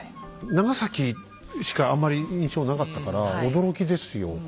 長崎しかあんまり印象なかったから驚きですよ。